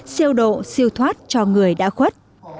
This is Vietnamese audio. siêu độ siêu thoát cho người đã khuất